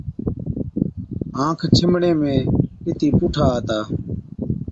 آنک ڇِنڀڻي ۾ ڏِتِي پُوٺا آتا۔